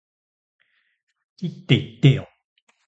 好きって言ってよ